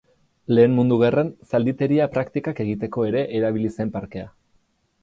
Lehen Mundu Gerran zalditeria praktikak egiteko ere erabili zen parkea.